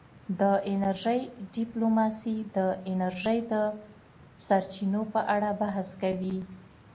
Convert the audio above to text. د انرژۍ ډیپلوماسي د انرژۍ د سرچینو په اړه بحث کوي